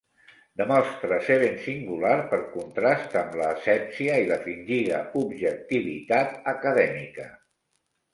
Demostre ser ben singular per contrast amb l’asèpsia i la fingida objectivitat acadèmica.